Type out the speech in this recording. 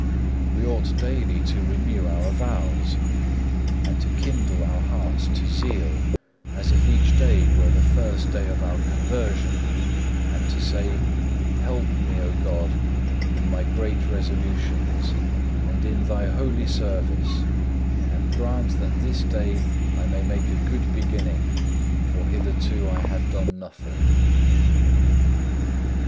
We ought daily to renew our vows, and to kindle our hearts to zeal, as if each day were the first day of our conversion, and to say, "Help me, O God, in my good resolutions, and in Thy holy service, and grant that this day I may make a good beginning, for hitherto I have done nothing!"